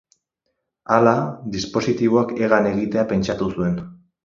Hala, dispositiboak hegan egitea pentsatu zuen.